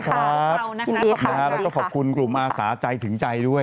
ขอบคุณคุณอีกครับแล้วก็ขอบคุณกลุ่มอาสาใจถึงใจด้วย